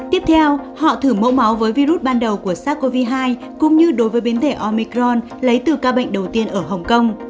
tiếp theo họ thử mẫu máu với virus ban đầu của sars cov hai cũng như đối với biến thể omicron lấy từ ca bệnh đầu tiên ở hồng kông